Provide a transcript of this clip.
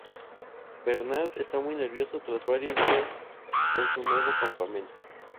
Bernard está muy nervioso tras varios días en su nuevo campamento.